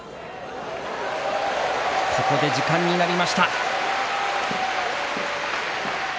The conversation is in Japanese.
ここで時間になりました。